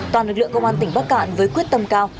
toàn lực lượng công an tỉnh bắc cạn với quyết tâm cao